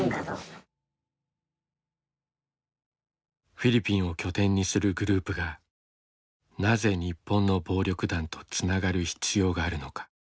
フィリピンを拠点にするグループがなぜ日本の暴力団とつながる必要があるのか。